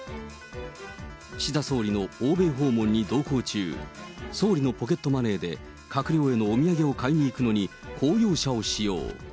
岸田総理の欧米訪問に同行中、総理のポケットマネーで閣僚へのお土産を買いに行くのに公用車を使用。